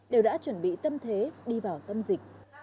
đã chuẩn bị tâm thế đi vào tâm dịch